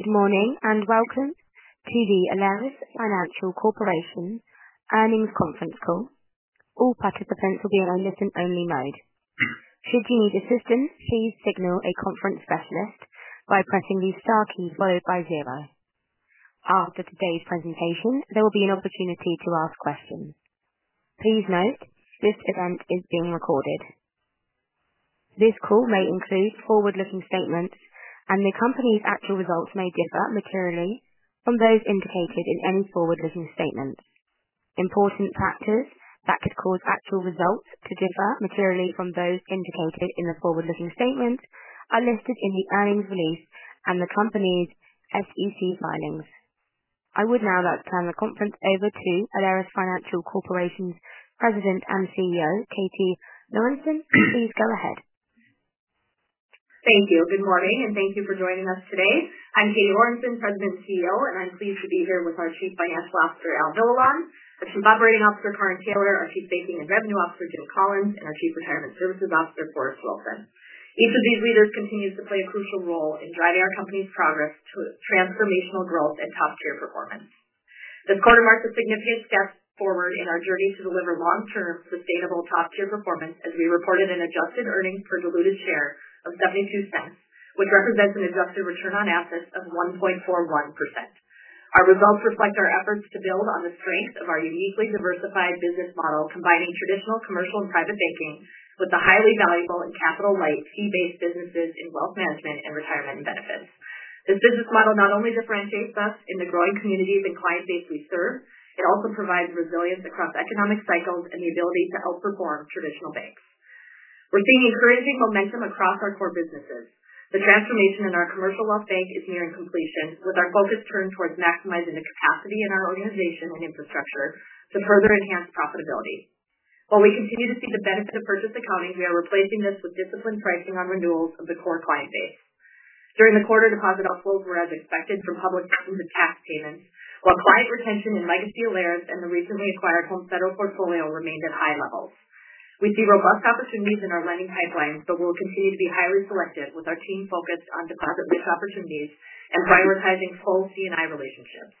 Good morning and welcome to the Alerus Financial Corporation conference call. All participants will be on a listen-only mode. Should you need assistance, please signal a conference specialist by pressing the star key followed by zero. After today's presentation, there will be an opportunity to ask questions. Please note this event is being recorded. This call may include forward-looking statements, and the company's actual results may differ materially from those indicated in any forward-looking statement. Important factors that could cause actual results to differ materially from those indicated in the forward-looking statement are listed in the earnings release and the company's SEC filings. I would now like to turn the conference over to Alerus Financial Corporation's President and CEO, Katie Lorenson. Please go ahead. Thank you. Good morning and thank you for joining us today. I'm Katie Lorenson, President and CEO, and I'm pleased to be here with our Chief Financial Officer, Al Villalon, our Chief Banking and Revenue Officer, Karin Taylor, our Chief Banking and Revenue Officer, Jim Collins, and our Chief Retirement Services Officer, Forrest Wilson. Each of these leaders continues to play a crucial role in driving our company's progress towards transformational growth and top-tier performance. This quarter marks a significant step forward in our journey to deliver long-term, sustainable top-tier performance as we reported an adjusted earnings per diluted share of $0.72, which represents an adjusted return on assets of 1.41%. Our results reflect our efforts to build on the strength of our uniquely diversified business model, combining traditional commercial and private banking with the highly valuable and capital-light fee-based businesses in wealth management and retirement and benefits. This business model not only differentiates us in the growing communities and client base we serve, it also provides resilience across economic cycles and the ability to outperform traditional banks. We're seeing encouraging momentum across our core businesses. The transformation in our commercial wealth bank is nearing completion, with our focus turned towards maximizing the capacity in our organization and infrastructure to further enhance profitability. While we continue to see the benefit of purchase accounting, we are replacing this with disciplined pricing on renewals of the core client base. During the quarter, deposit outflows were as expected from public to the tax payments, while client retention and legacy layers in the recently acquired Home Federal portfolio remained at high levels. We see robust opportunities in our lending pipeline, but we'll continue to be highly selective with our team focused on deposit risk opportunities and prioritizing full CNI relationships.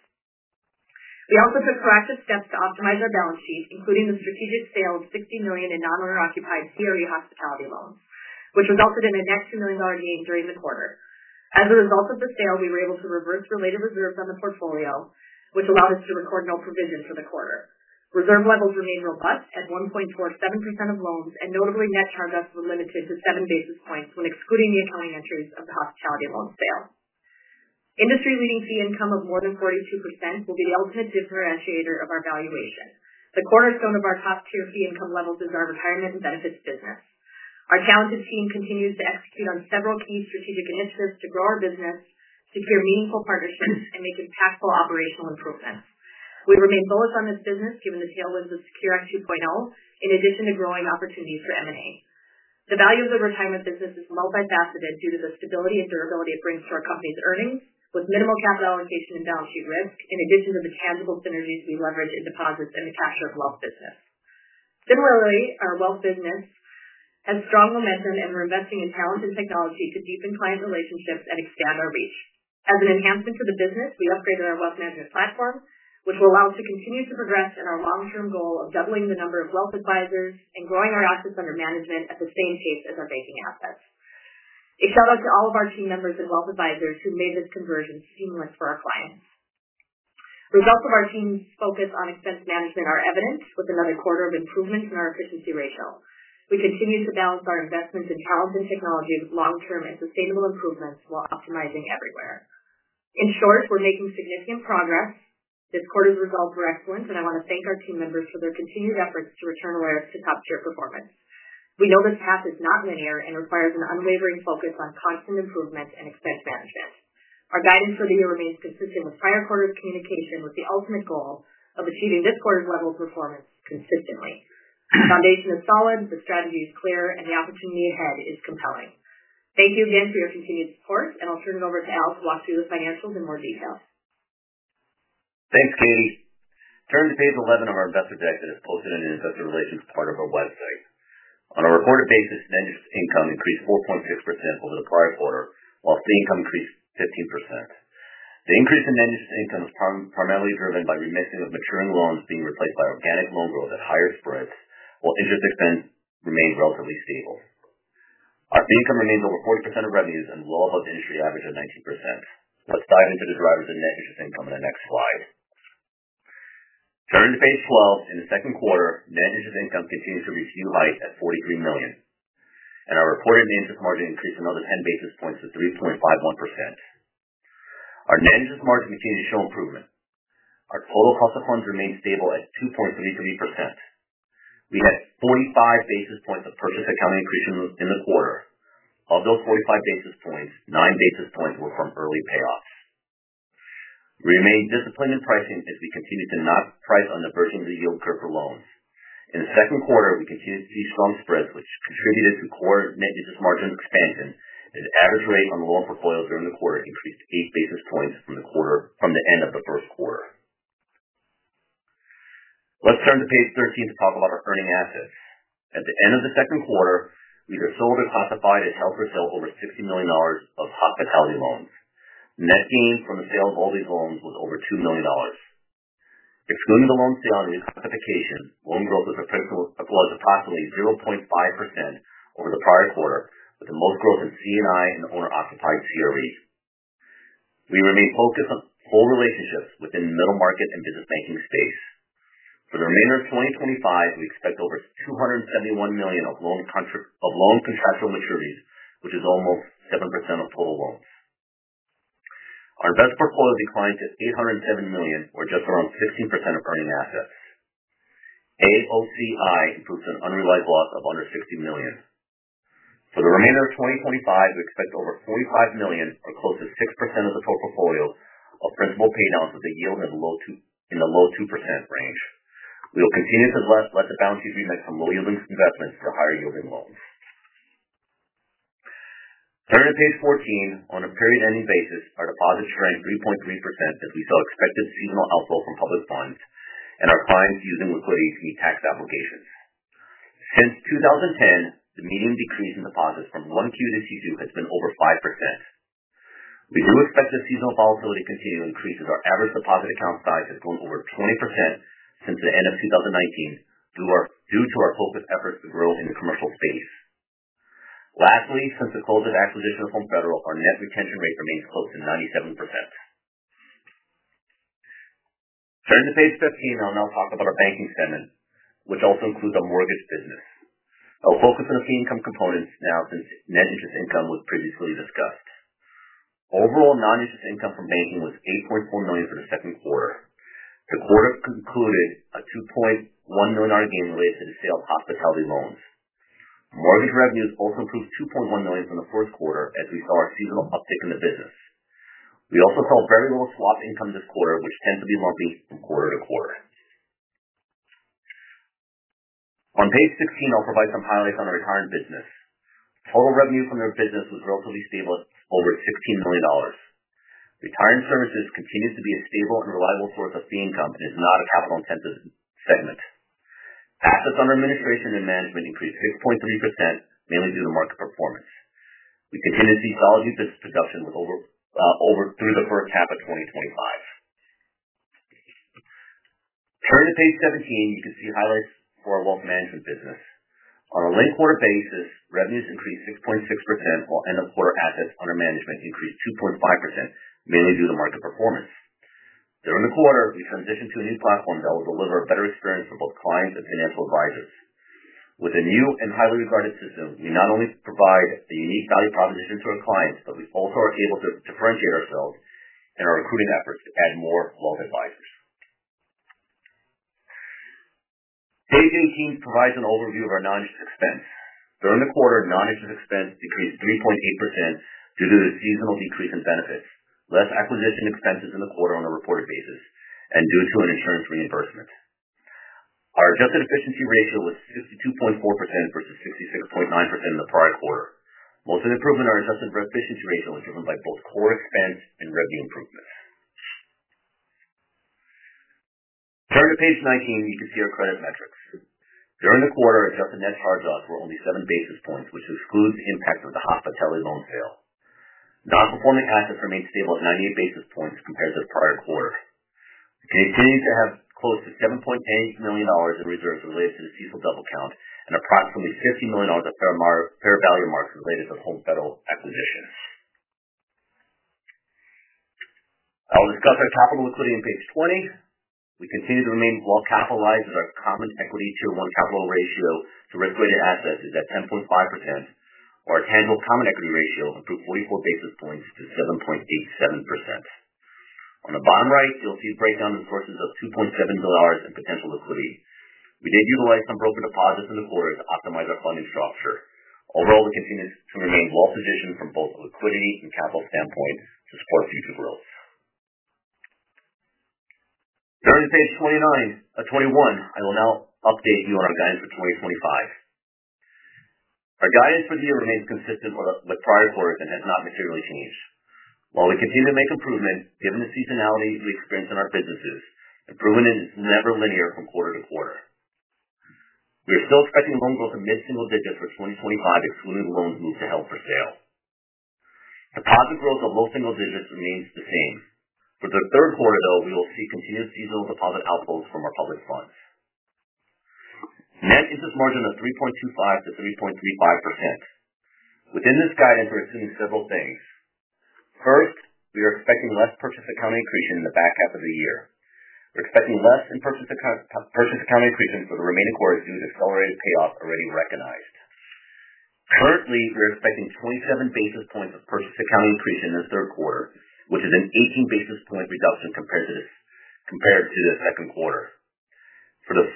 We also took proactive steps to optimize our balance sheet, including a strategic sale of $60 million in non-owner occupied commercial real estate hospitality loans, which resulted in a net $2 million gain during the quarter. As a result of the sale, we were able to reverse related reserves on the portfolio, which allowed us to record no provision for the quarter. Reserve levels remain robust at 1.47% of loans, and notably, net charge-offs were limited to 7 basis points when excluding the accounting entries of the hospitality loan sale. Industry-leading fee income of more than 42% will be the ultimate differentiator of our valuation. The cornerstone of our top-tier fee income levels is our retirement and benefits business. Our talented team continues to execute on several key strategic initiatives to grow our business, secure meaningful partnerships, and make impactful operational improvements. We remain focused on this business, given the tailwinds of Secure 2.0, in addition to growing opportunities for M&A. The value of the retirement business is multifaceted due to the stability and durability it brings to our company's earnings, with minimal capital allocation and balance sheet risks, in addition to the tangible synergy we leverage in deposits and the capture of wealth business. Similarly, our wealth business has strong momentum, and we're investing in talent and technology to deepen client relationships and expand our reach. As an enhancement for the business, we upgraded our wealth management platform, which will allow us to continue to progress in our long-term goal of doubling the number of wealth advisors and growing our assets under management at the same pace as our banking assets. A shout out to all of our team members and wealth advisors who made this conversion seamless for our clients. Results of our team's focus on expense management are evident, with another quarter of improvements in our efficiency ratio. We continue to balance our investments in talent and technology with long-term and sustainable improvements while optimizing everywhere. In short, we're making significant progress. This quarter's results were excellent, and I want to thank our team members for their continued efforts to return Alerus to top-tier performance. We know this path is not linear and requires an unwavering focus on constant improvement and expense management. Our guidance for the year remains consistent with prior quarter's communication, with the ultimate goal of achieving this quarter's level of performance consistently. The foundation is solid, the strategy is clear, and the opportunity ahead is compelling. Thank you again for your continued support, and I'll turn it over to Al to walk through the financials in more detail. Thanks, Katie. Turn to page 11 of our investment dataset posted in an investor-related news part of our website. On a recorded basis, net interest income increased 4.6% over the prior quarter, while fee income increased 15%. The increase in net interest income is primarily driven by remixing of maturing loans being replaced by organic loan growth at higher spreads, while interest expense remains relatively stable. Our fee income remains over 40% of revenues and the low hub industry average of 19%. Let's dive into the drivers of net interest income in the next slide. Turning to page 12, in the second quarter, net interest income continues to reach new heights at $43 million, and our reported net interest margin increased another 10 basis points to 3.51%. Our net interest margin continues to show improvement. Our total cost of funds remains stable at 2.33%. We have 45 basis points of purchase accounting increase in the quarter. Of those 45 basis points, nine basis points were from early payoffs. We remain disciplined in pricing as we continue to not price on the personal yield curve for loans. In the second quarter, we continue to see strong spreads, which contributed to core net interest margin expansion, and the average rate on the loan portfolio during the quarter increased eight basis points from the end of the first quarter. Let's turn to page 13 to talk about our earning assets. At the end of the second quarter, we either sold or classified and held for sale over $60 million of hospitality loans. Net gain from the sale of all these loans was over $2 million. Assuming the loan sale is a bifurcation, loan growth was appraisable as approximately 0.5% over the prior quarter, with the most growth in C&I and owner-occupied CRE. We remain focused on old relationships within the middle market and business banking space. For the remainder of 2025, we expect over $271 million of loan contractual maturities, which is almost 7% of total loans. Our investment portfolio declined to $807 million, or just around 15% of earning assets. AOCI includes an unrealized loss of under $60 million. For the remainder of 2025, we expect over $45 million, or close to 6% of the total portfolio, of principal payouts with a yield in the low 2% range. We will continue to collect the balance sheet we make from low-yielding investments to higher-yielding loans. Turning to page 14, on a period-ending basis, our deposits shrank 3.3% as we saw expected seasonal outflow from public funds and our clients using liquidity for tax obligations. Since 2010, the median decrease in deposits from one Q to Q2 has been over 5%. The new expected seasonal volatility continuing increases our average deposit account size has grown over 20% since the end of 2019, due to our focused efforts to grow in the commercial space. Lastly, since the close of acquisition of Home Federal, our net retention rate remains close to 97%. Turning to page 15, I'll now talk about our banking segment, which also includes our mortgage business. I'll focus on the fee income components now since net interest income was previously discussed. Overall, non-interest income from banking was $8.4 million for the second quarter. The quarter included a $2.1 million gain related to the sale of hospitality loans. Mortgage revenues also improved $2.1 million from the first quarter as we saw a seasonal uptick in the business. We also saw very little swap income this quarter, which tends to be more based on quarter to quarter. On page 16, I'll provide some highlights on our retirement business. Total revenue from our business was relatively stable, over $16 million. Retirement services continues to be a stable and reliable source of fee income and is not a capital intensive segment. Assets under administration and management increased 6.3%, mainly due to market performance. We continue to see volatile business production with over three of the current half of 2025. Turning to page 17, you can see highlights for our wealth management business. On a late quarter basis, revenues increased 6.6%, while end-of-quarter assets under management increased 2.5%, mainly due to market performance. During the quarter, we transitioned to a new platform that will deliver a better experience for both clients and financial advisors. With a new and highly regarded system, we not only provide a unique value proposition to our clients, but we also are able to differentiate ourselves in our recruiting efforts to add more wealth advisors. Page 18 provides an overview of our non-interest expense. During the quarter, non-interest expense decreased 3.8% due to the seasonal decrease in benefits, less acquisition expenses in the quarter on a reported basis, and due to an insurance reimbursement. Our adjusted efficiency ratio was 62.4% versus 66.9% in the prior quarter. Most of the improvement in our adjusted efficiency ratio was driven by both core expense and revenue improvement. Turning to page 19, you can see our credit metrics. During the quarter, adjusted net charge-offs were only 7 basis points, which excludes the impact of the hospitality loan sale. Non-performing assets remained stable at 98 basis points compared to the prior quarter. We continue to have close to $7.10 million in reserves related to the seasonal double count and approximately $50 million of fair value marks related to Home Federal acquisitions. I'll discuss our capital liquidity on page 20. We continue to remain well-capitalized with our common equity to Tier 1 capital ratio to risk-weighted assets at 10.5%, while our tangible common equity ratio improved 44 basis points to 7.87%. On the bottom right, you'll see a breakdown in the sources of $2.7 million in potential liquidity. We did utilize some broker deposits in the quarter to optimize our funding structure. Overall, we continue to remain well-positioned from both a liquidity and capital standpoint to support future growth. Turning to page 21, I will now update you on our guidance for 2025. Our guidance for the year remains consistent with the prior quarters and has not materially changed. While we continue to make improvements, given the seasonality we experience in our businesses, improvement is never linear from quarter to quarter. We are still expecting loan growth in mid-single digits for 2025, excluding loans moved to held for sale. Deposit growth of low single digits remains the same. For the third quarter, though, we will see continued seasonal deposit outflows from our public funds. Net interest margin of 3.25% to 3.35%. Within this guidance, we're seeing several things. First, we are expecting less purchase accounting attrition in the back half of the year. We're expecting less in purchase accounting attrition for the remaining quarters due to accelerated payoff already recognized. Currently, we're expecting 27 basis points of purchase accounting attrition in the third quarter, which is an 18 basis point reduction compared to the second quarter. For the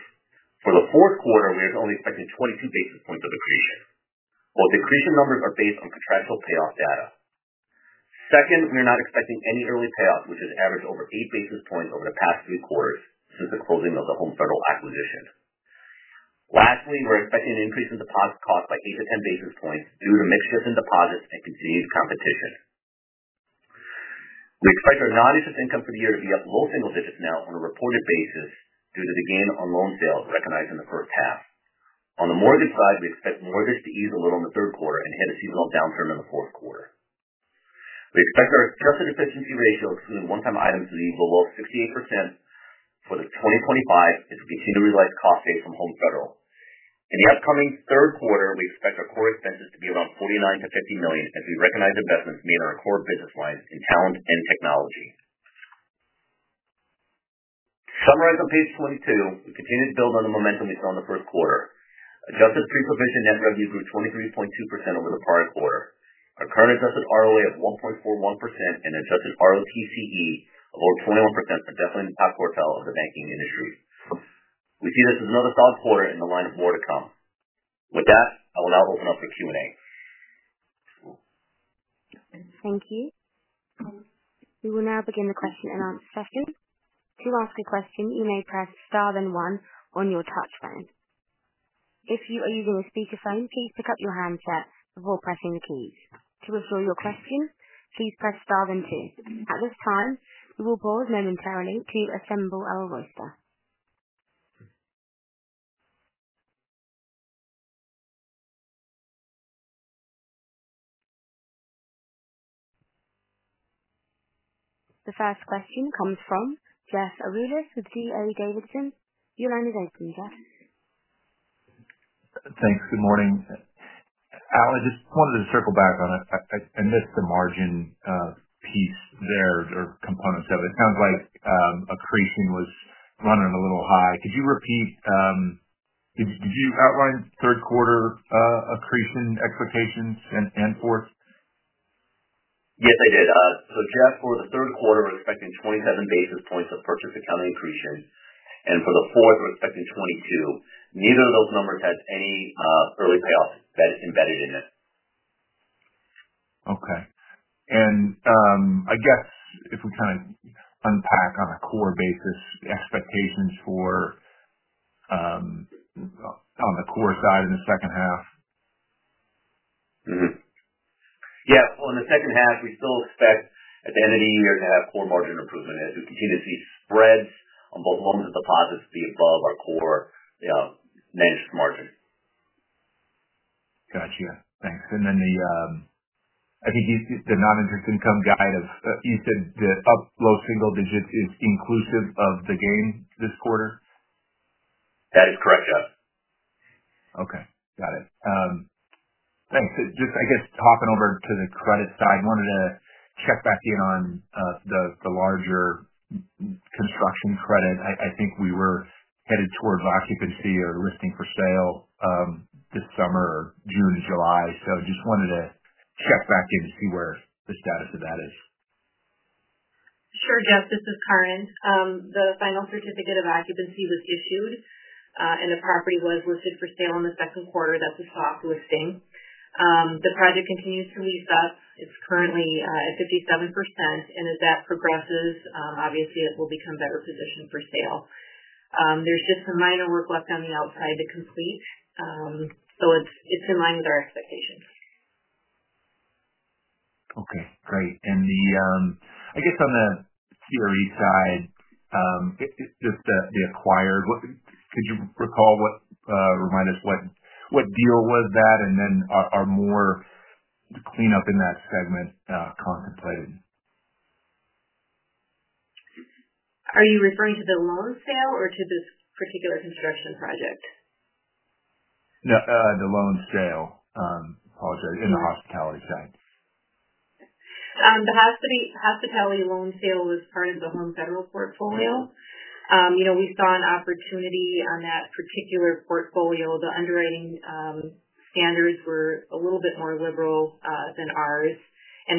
fourth quarter, we are only expecting 22 basis points of attrition. Both attrition numbers are based on contractual payoff data. Second, we are not expecting any early payoff, which has averaged over 8 basis points over the past three quarters since the closing of the Home Federal acquisition. Lastly, we're expecting an increase in deposit cost by 8 to 10 basis points due to mitigation deposits and continued competition. We expect our non-interest income for the year to be at low single digits now on a reported basis due to the gain on loan sales recognized in the first half. On the mortgage side, we expect mortgage to ease a little in the third quarter and hit a seasonal downturn in the fourth quarter. We expect our adjusted efficiency ratio, excluding one-time items, to be below 68% for 2025 as we continue to realize cost saves from Home Federal. In the upcoming third quarter, we expect our core expenses to be around $49 to $50 million as we recognize investments made in our core business lines in talent and technology. Summarizing page 22, we continue to build on the momentum we saw in the first quarter. Adjusted pre-provision net revenue grew 23.2% over the prior quarter. Our current adjusted return on assets of 1.41% and adjusted return on tangible common equity of over 21% are definitely in the top quartile of the banking industry. We see this as another strong quarter in the line of more to come. With that, I will now open up for Q&A. Thank you. We will now begin the question and answer session. To ask a question, you may press star then one on your touch screen. If you are using a speaker phone, please pick up your handset before pressing the keys. To resolve your question, please press star then two. At this time, we will pause momentarily to assemble our roster. The first question comes from Jeff Rulis, who's with D.A. Davidson. Your line is open, Jeff. Thanks. Good morning. Al, I just wanted to circle back on. I missed the margin piece there or component of it. It sounds like accretion was running a little high. Could you repeat, did you outline third quarter accretion expectations and fourth? Yes, I did. Jeff, for the third quarter, we're expecting 27 basis points of purchase accounting attrition. For the fourth, we're expecting 22. Neither of those numbers has any early payoff embedded in it. If we kind of unpack on a core basis, the expectations for, on the core side in the second half. Yeah. On the second half, we still expect at the end of the year to have core margin improvement as we continue to see spreads on both loans and deposits be above our core net interest margins. Gotcha. Thanks. I think you used the non-interest income guide of, you said the up low single digits is inclusive of the gain this quarter? That is correct, Jeff. Okay. Got it, thanks. Just, I guess, talking over to the credit side, I wanted to check back in on the larger construction credit. I think we were headed toward occupancy or listing for sale this summer or June and July. I just wanted to check back in and see where the status of that is. Sure, Jeff. This is Karin. The final certificate of occupancy was issued, and the property was listed for sale in the second quarter. That's a soft listing. The project continues to be assessed. It's currently at 57%. As that progresses, obviously, it will become better positioned for sale. There's just some minor work left on the outside to complete, so it's in line with our expectations. Okay. Great. On the CRE side, it's just the acquired. Could you recall what, remind us what deal was that? Are more cleanup in that segment contemplated? Are you referring to the loan sale or to this particular construction project? No, the loan sale. Apologize. In the hospitality side. The hospitality loan sale was part of the Home Federal portfolio. You know, we saw an opportunity on that particular portfolio. The underwriting standards were a little bit more liberal than ours.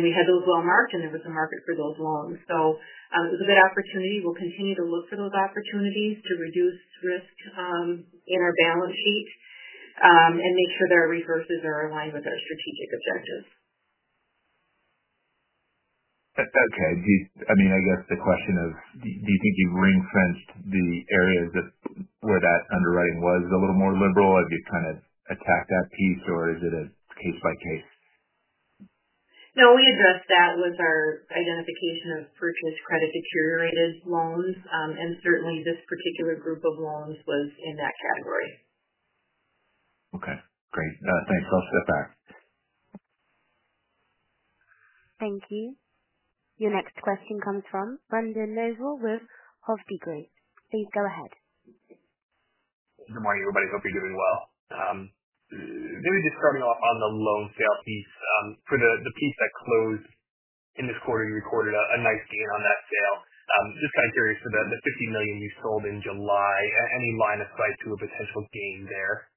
We had those well-marked, and it was a market for those loans. It was a good opportunity. We'll continue to look for those opportunities to reduce risk in our balance sheet and make sure that our resources are aligned with our strategic objectives. That's okay. I mean, I guess the question is, do you think you've ring-fenced the areas where that underwriting was a little more liberal? Have you kind of attacked that piece, or is it a case-by-case? No, we addressed that with our identification of purchased credit-security-rated loans, and certainly, this particular group of loans was in that category. Okay. Great. No, thanks. I'll step back. Thank you. Your next question comes from Brendan Nosal with Hovde Group. Please go ahead. Good morning, everybody. Hope you're doing well. Really just starting on the loan sale piece. For the piece that closed in this quarter, you recorded a nice gain on that sale. Just kind of curious for the $50 million you sold in July, any line of sight to a potential gain there?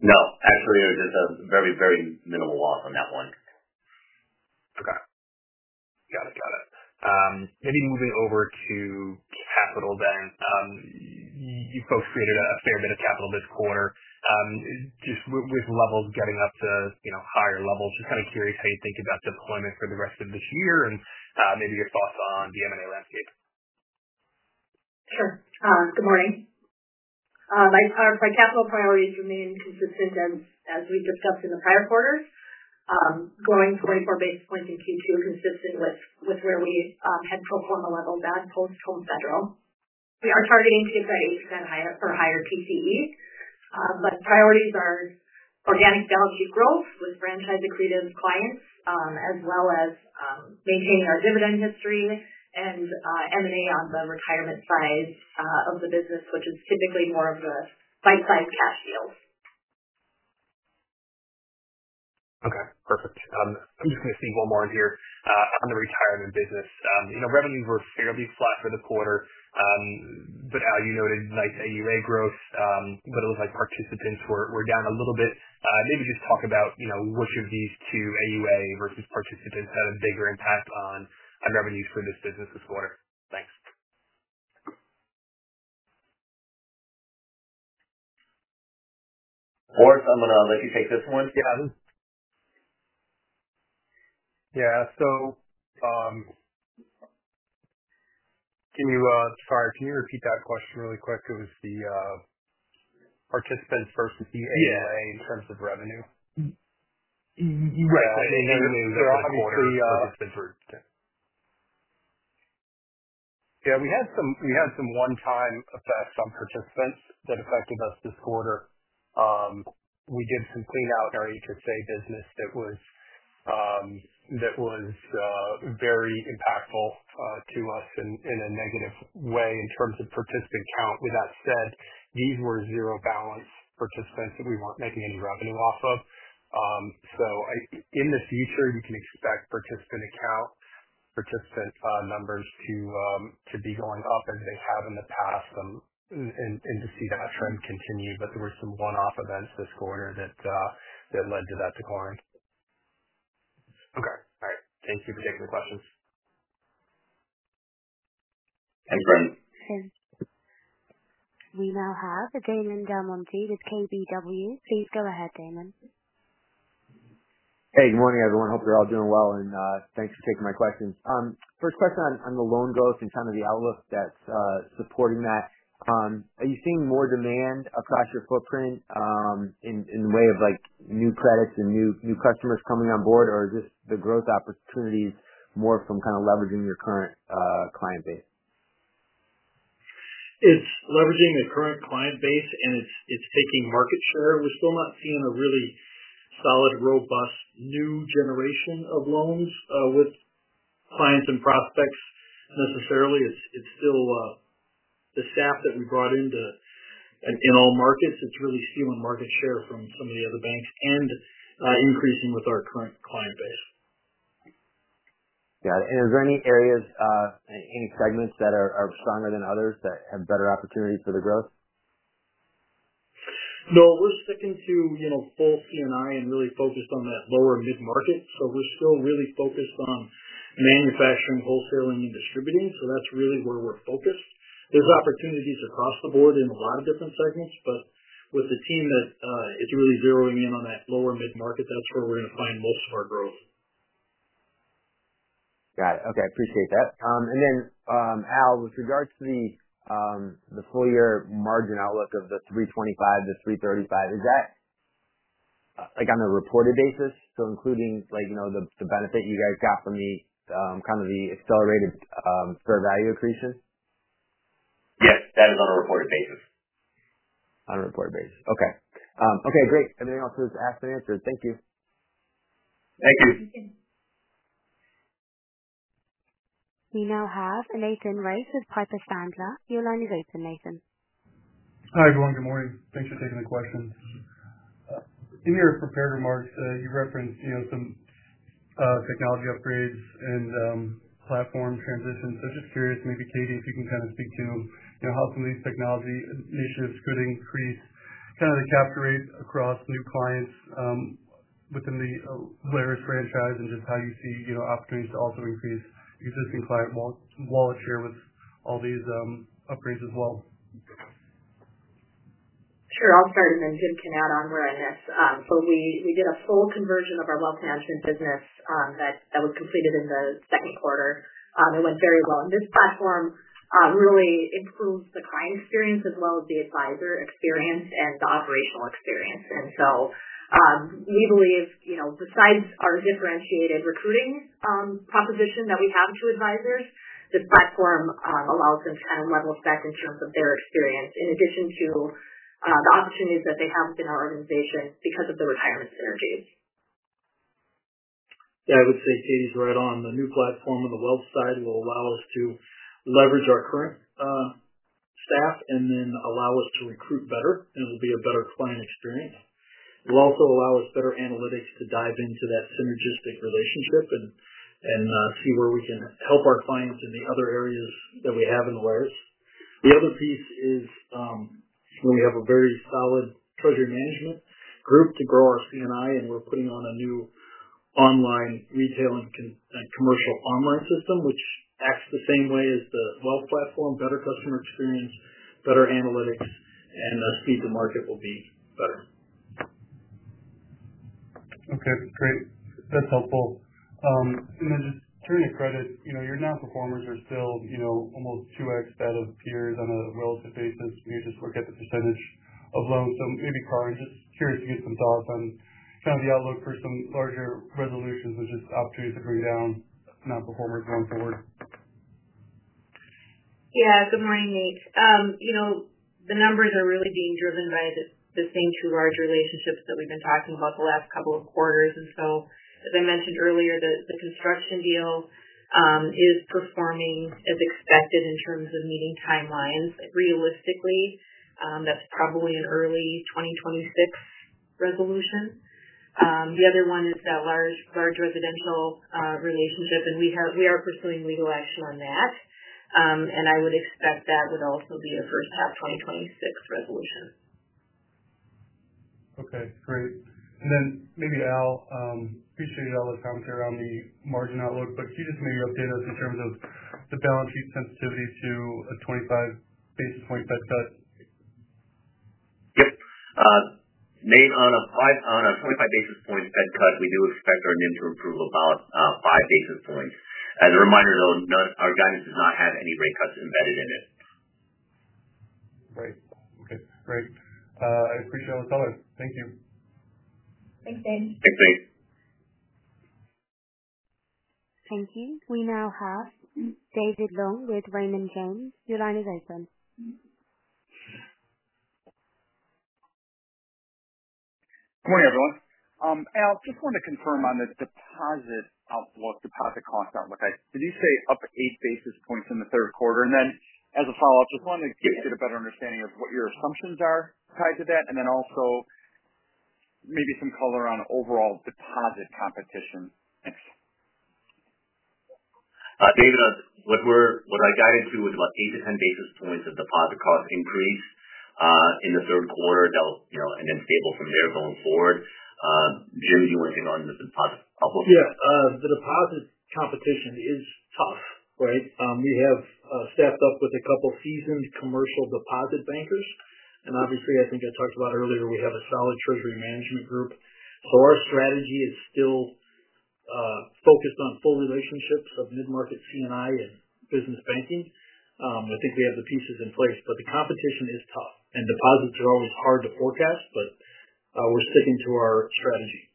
No, actually, it was just a very, very minimal loss on that one. Okay. Got it. Maybe moving over to capital, then. You folks created a fair bit of capital this quarter. Just with levels getting up to, you know, higher levels, just kind of curious how you think about deployment for the rest of this year and maybe your thoughts on the M&A landscape. Sure. Good morning. My capital priorities remain consistent as we discussed in the prior quarter. Growing for our basic pointing feature consistent with where we had pro forma loan outputs from Home Federal. We are targeting case studies for higher PCEs. Priorities are organic value growth with franchise accretive clients, as well as maintaining our dividend history and M&A on the retirement side of the business, which is typically more of the pipeline cash deals. Okay. Perfect. I'm just going to see one more in here, on the retirement business. You know, revenues were fairly flat for the quarter, but, Al, you noted a nice AUA growth. It looks like participants were down a little bit. Maybe just talk about, you know, which of these two, AUA versus participants, had a bigger impact on revenues for this business this quarter. Thanks. I'm going to let you take this one, to be honest. Can you repeat that question really quick? It was the participants versus the AUA in terms of revenue? Right, I mean, revenues. Yeah. We had some one-time effects on participants that affected us this quarter. We did some cleanup in our HSA business that was very impactful to us in a negative way in terms of participant count. With that said, these were zero balance participants that we weren't making any revenue off of. In the future, we can expect participant numbers to be going up as they have in the past, and to see that trend continue. There were some one-off events this quarter that led to that decline. Okay. All right. Thank you for taking the questions. We now have Damon DelMonte with KBW. Please go ahead, Damon. Hey, good morning, everyone. Hope you're all doing well. Thanks for taking my questions. First question on the loan growth and kind of the outlook that's supporting that. Are you seeing more demand across your footprint in the way of new credits and new customers coming on board, or is this growth opportunity more from kind of leveraging your current client base? It's leveraging the current client base, and it's taking market share. We're still not seeing a really solid, robust new generation of loans with clients and prospects necessarily. It's still the staff that we brought into all markets that's really stealing market share from the other banks and increasing with our current client base. Is there any areas, any segments that are stronger than others that have better opportunities for the growth? No, we're sticking to, you know, full CNI and really focused on that lower mid-market. We're still really focused on manufacturing, wholesaling, and distributing. That's really where we're focused. There are opportunities across the board in a lot of different segments, but with the team, it's really zeroing in on that lower mid-market. That's where we're going to find most of our growth. Got it. Okay. I appreciate that. Al, with regards to the full-year margin outlook of the 3.25% to 3.35%, is that on a reported basis? So including the benefit you guys got from the kind of accelerated fair value accretion? Yes, standard on a reported basis. On a reported basis. Okay. Great. Everything else was asked and answered. Thank you. Thank you. We now have Nathan Race with Piper Sandler. Your line is open, Nathan. Hi, everyone. Good morning. Thanks for taking the questions. In your prepared remarks, you referenced some technology upgrades and platform transitions. I was just curious, maybe Katie, if you can kind of speak to how some of these technology initiatives could increase kind of the cap rate across new clients within the Alerus franchise and just how you see opportunities to also increase existing client wallet share with all these upgrades as well. Sure. I'll start and then just can add on where I'm at. We did a full conversion of our wealth management business, that was completed in the second quarter. It went very well. This platform really improved the client experience as well as the advisor experience and the operational experience. We believe, besides our differentiated recruiting proposition that we have to advisors, the platform allows them to kind of level set and show their experience in addition to the opportunities that they have within our organizations because of the retirement synergies. Yeah, I would say Katie's right on. The new platform on the wealth side will allow us to leverage our current staff and then allow us to recruit better, and it will be a better client experience. It will also allow us better analytics to dive into that synergistic relationship and see where we can help our clients in the other areas that we have in Alerus. The other piece is, we have a very solid treasury management group to grow our C&I, and we're putting on a new online retail and commercial online system, which acts the same way as the wealth platform: better customer experience, better analytics, and the speed to market will be. Okay. That's great. That's helpful. Turning to credit, your downperformance is still almost 2x that of years on a relative basis. We need to look at the percentage of those. Maybe, Karin, just curious to get some thoughts on kind of the outlook for some larger resolutions, which is opportunities to bring down non-performance going forward. Yeah. Good morning, Nate. You know, the numbers are really being driven by the same two large relationships that we've been talking about the last couple of quarters. As I mentioned earlier, the construction deal is performing as expected in terms of meeting timelines. Realistically, that's probably an early 2026 resolution. The other one is that large residential relationship, and we are pursuing legal action on that. I would expect that would also be a first half of 2026. Okay. Great. Maybe, Al, continue to allow us to comment here on the margin outlook, but can you just maybe update us in terms of the balance sheet sensitivities to a 25 basis point Fed cut? Nate, on a 25 basis point Fed cut, we do expect our NIM to improve about 5 basis points. As a reminder, though, our guidance does not have any rate cuts embedded in it. Right. Okay, great. I appreciate all the thought. Thank you. Thanks, Nate. Great. Thanks. Thank you. We now have David Long with Raymond James. Your line is open. Morning, everyone. Al, just want to confirm on the deposit outlook, deposit cost outlook. Did you say up 8 basis points in the third quarter? As a follow-up, just wanted to get a better understanding of what your assumptions are tied to that, and also maybe some color on the overall deposit competition. David, look, what I guided you was about 8 to 10 basis points of deposit cost increase in the third quarter. They'll, you know, and then table from there going forward. Do you have anything more to take on the deposit outlook? Yeah, the deposit competition is tough, right? We have staffed up with a couple of seasoned commercial deposit bankers. Obviously, I think I talked about earlier, we have a solid treasury management group. Our strategy is still focused on full relationships of mid-market CNI and business banking. I think they have the pieces in place, but the competition is tough. Deposits are always hard to forecast, but we're sticking to our strategy.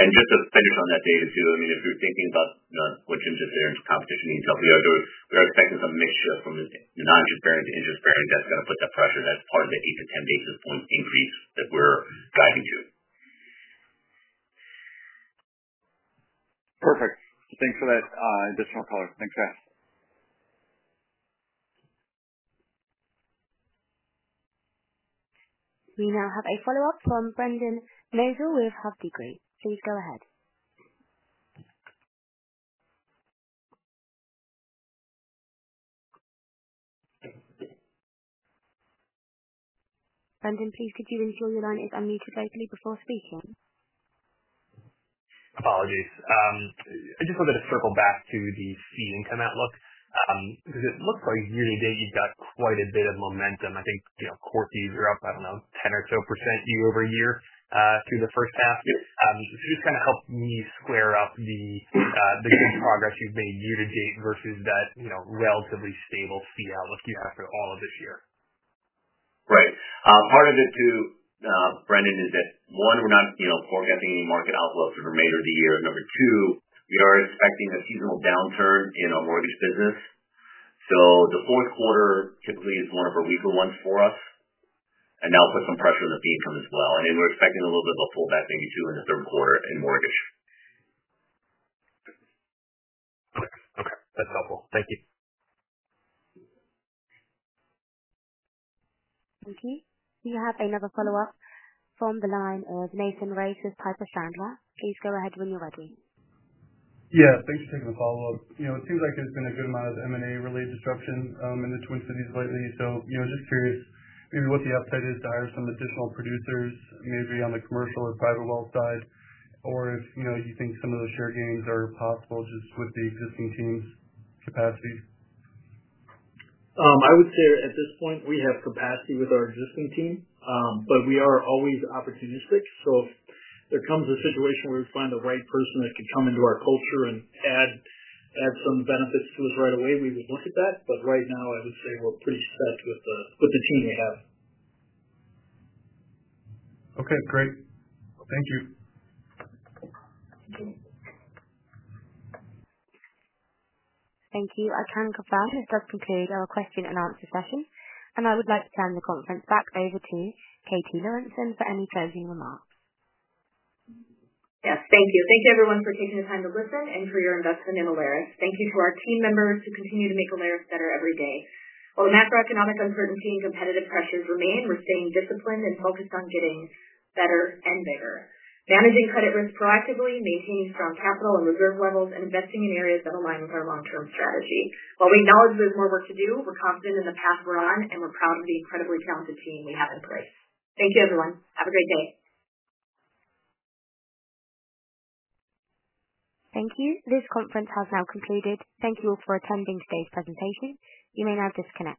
Right. Just to focus on that, David, too, if you're thinking about what's interested in competition details, we are expecting some mixture from the non-interested to interested that's going to put the pressure as part of the 8 to 10 basis point increase that we're driving to. Perfect. Thanks for that additional color. Thanks, guys. We now have a follow-up from Brendan Nosal with D.A. Davidson. Please go ahead. Brendan, please could you ensure your line is unmuted locally before speaking? Apologies. I just wanted to circle back to the fee income outlook, because it looks like you've got quite a bit of momentum. I think, you know, quarterly you're up, I don't know, 10% or so year over year, through the first half. Just help me square up the progress you've made year to date versus that relatively stable fee outlook you have for all of this year. Right. Part of it too, Brendan, is that, one, we're not forecasting the market outlook for the remainder of the year. Number two, we are expecting a seasonal downturn in our mortgage business. The fourth quarter typically is one of our weaker ones for us, and that'll put some pressure on the fee income as well. We're expecting a little bit of a pullback maybe too in the third quarter in mortgage. Okay, that's helpful. Thank you. Thank you. We have another follow-up from the line of Nathan Race with Piper Sandler. Please go ahead when you're ready. Thanks for taking the follow-up. It seems like there's been a good amount of M&A-related disruption in the Twin Cities lately. I'm just curious what the upside is to hire some additional producers, maybe on the commercial or private wealth side, or if you think some of those share gains are possible just with the existing team's capacities. I would say at this point, we have capacity with our existing team, but we are always opportunistic. If it comes to a situation where we find the right person that could come into our culture and add some benefits to us right away, we would look at that. Right now, I would say we're pretty satisfied with the team they have. Okay. Great. Thank you. Thank you. Our current and confound has just concluded our question and answer session. I would like to turn the conference back over to Katie Lorenson for any closing remarks. Yes. Thank you. Thank you, everyone, for taking the time to listen and for your investment in Alerus. Thank you for our team members who continue to make Alerus better every day. While the macroeconomic uncertainties and competitive pressures remain, we're staying disciplined and focused on getting better and better, managing credit risk proactively, maintaining strong capital and reserve levels, and investing in areas that align with our long-term strategy. While we know there's more work to do, we're confident in the path we're on, and we're proud of the incredibly talented team we have in place. Thank you, everyone. Have a great day. Thank you. This conference has now concluded. Thank you all for attending today's presentation. You may now disconnect.